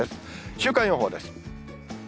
週間予報です。